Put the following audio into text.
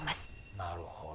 なるほど。